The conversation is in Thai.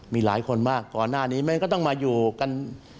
มีหลายคนมากก่อนหน้านี้มันก็ต้องมาอยู่กัน